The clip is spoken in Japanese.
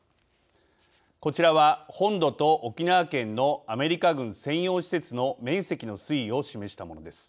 こちらは本土と沖縄県のアメリカ軍専用施設の面積の推移を示したものです。